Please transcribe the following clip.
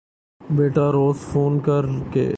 بیٹا روز فون کر کے